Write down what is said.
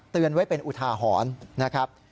เตือนไว้เป็นอุทาหอนนะครับ